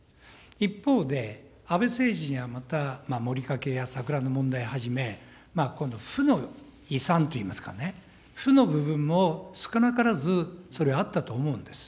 一方で、安倍政治にはまたモリカケや桜の問題はじめ、今度、負の遺産といいますかね、負の部分も少なからず、それあったと思うんです。